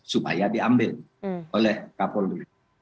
supaya diambil oleh kapolri